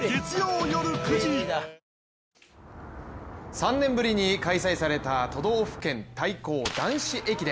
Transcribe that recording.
３年ぶりに開催された都道府県対抗男子駅伝。